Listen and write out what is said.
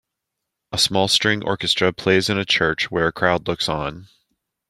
A small string orchestra plays in a church where a crowd looks on.